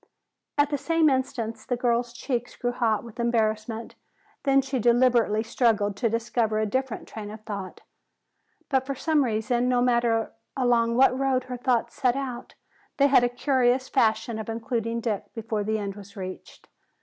At the same instant the girl's cheeks grew hot with embarrassment. Then she deliberately struggled to discover a different train of thought. But for some reason, no matter along what road her thoughts set out, they had a curious fashion of including Dick before the end was reached.